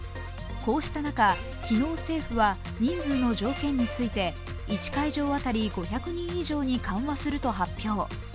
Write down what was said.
こうした中、昨日、政府は人数の条件について１会場当たり５００人以上に緩和すると発表。